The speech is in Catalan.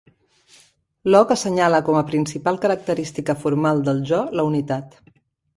Locke assenyala com a principal característica formal del jo la unitat.